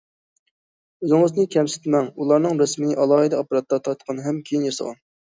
ئۆزىڭىزنى كەمسىتمەڭ، ئۇلارنىڭ رەسىمىنى ئالاھىدە ئاپپاراتتا تارتقان ھەم كېيىن ياسىغان.